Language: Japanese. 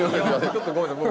ちょっとごめんなさい